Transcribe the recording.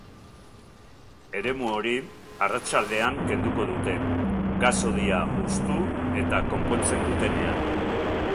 Eremu hori arratsaldean kenduko dute, gas-hodia hustu eta konpontzen dutenean.